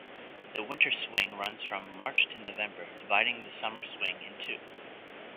The Winter Swing runs from March to November, dividing the Summer Swing in two.